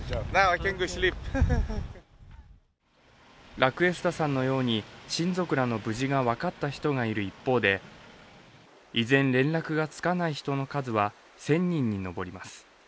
ラクエスタさんのように親族らの無事が分かった人がいる一方で依然、連絡がつかない人の数は１０００人に上ります。